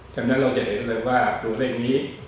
ฉะนั้นเราจะเห็นเลยว่าตัวเลขนี้